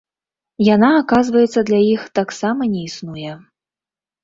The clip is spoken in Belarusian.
Яна, аказваецца, для іх таксама не існуе!